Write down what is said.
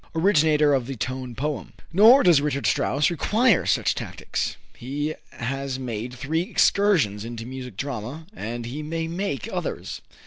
Originator of the Tone Poem. Nor does Richard Strauss require such tactics. He has made three excursions into music drama and he may make others.